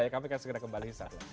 kita akan segera kembali